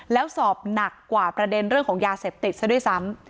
แล้วสอบหนักกว่าประเด็นเรื่องของยาเสพติดซะด้วยซ้ำ